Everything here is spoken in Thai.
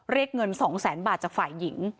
เรียกเงิน๒แสนบาทจากฝ่ายหญิง